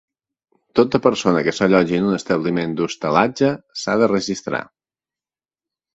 Tota persona que s'allotgi en un establiment d'hostalatge s'ha de registrar.